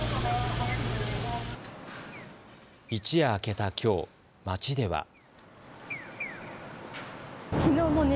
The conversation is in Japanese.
一夜明けたきょう、街では。